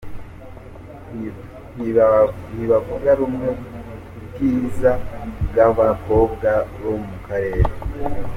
Ntibavuga rumwe ku bwiza bw’abakobwa bo mu Karere.